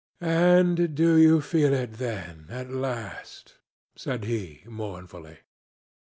"And do you feel it, then, at last?" said he, mournfully.